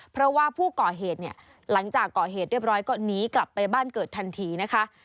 เพราะว่าผู้ก่อเหตุเนี่ยหลังจากก่อเหตุเรียบร้อยก็หนีกลับไปบ้านเกิดทันทีนะคะ